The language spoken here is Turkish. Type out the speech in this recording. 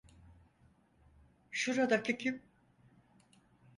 Şuradaki kim?